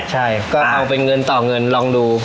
ใช่ก็เอาเป็นเงินต่อเงินลองดู